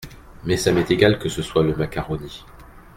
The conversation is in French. Mais ça m’est égal que ce soit le macaroni !